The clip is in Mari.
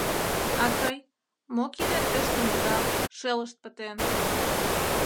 — Акый, мо кидет пеш туҥгыралт, шелышт пытен?